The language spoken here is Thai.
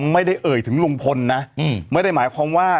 ไม่ได้เอ่ยถึงลุงพลนะไม่ได้หมายความว่า